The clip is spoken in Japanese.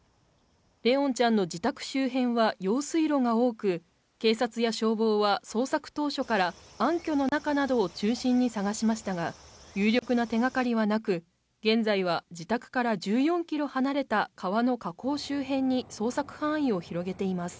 怜音ちゃんの自宅周辺は用水路が多く警察や消防は捜索当初から暗渠の中などを中心に探しましたが有力な手がかりはなく現在は自宅から１４キロ離れた川の河口周辺に捜索範囲を広げています